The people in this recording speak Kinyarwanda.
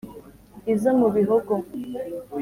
izo mu bihogo